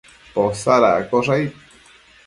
Posadaccosh aid